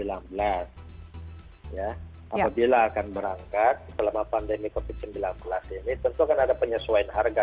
apabila akan berangkat selama pandemi covid sembilan belas ini tentu akan ada penyesuaian harga